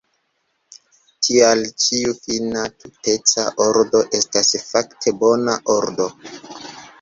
Tial ĉiu finia tuteca ordo estas fakte bona ordo.